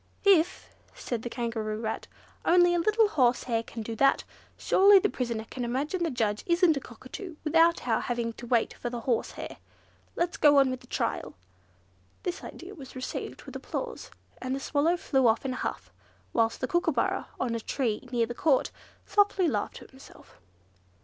"If," said the Kangaroo Rat, "only a little horsehair can do that, surely the prisoner can imagine the judge isn't a cockatoo, without our having to wait for the horsehair. Let's get on with the trial." This idea was received with applause, and the Swallow flew off in a huff; whilst the Kookooburra, on a tree near the Court, softly laughed to himself.